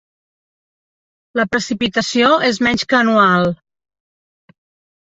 La precipitació és menys que anual.